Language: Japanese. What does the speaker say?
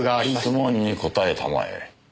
質問に答えたまえ。